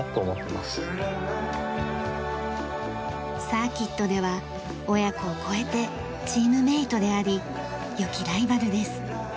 サーキットでは親子を超えてチームメートであり良きライバルです。